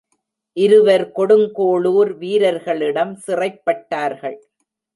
இருவர் கொடுங்கோளுர் வீரர்களிடம் சிறைப்பட்டார்கள்.